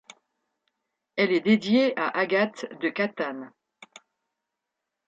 Elle est dédiée à Agathe de Catane.